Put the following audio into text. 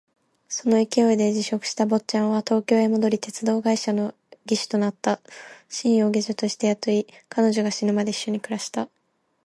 その勢いで辞職した坊っちゃんは東京へ戻り、鉄道会社の技手となった。清を下女として雇い、彼女が死ぬまで一緒に暮らした。